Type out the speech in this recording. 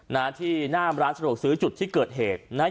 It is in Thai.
หน้าที่หน้าร้านสะดวกซื้อจุดที่เกิดเหตุนะฮะ